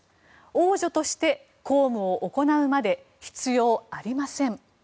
王女として公務を行うまで必要ありません。